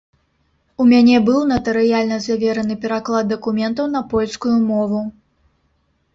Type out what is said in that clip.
У мяне быў натарыяльна завераны пераклад дакументаў на польскую мову.